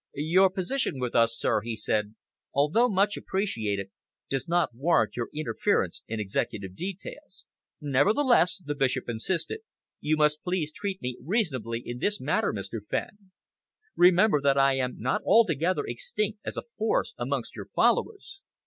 "Your position with us, sir," he said, "although much appreciated, does not warrant your interference in executive details." "Nevertheless," the Bishop insisted, "you must please treat me reasonably in this matter, Mr. Fenn. Remember I am not altogether extinct as a force amongst your followers.